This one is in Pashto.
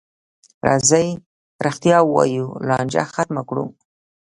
راځئ رښتیا ووایو، لانجه ختمه کړو.